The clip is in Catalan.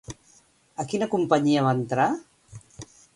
A quina companyia va entrar?